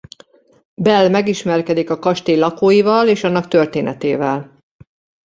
Belle megismerkedik a kastély lakóival és annak történetével.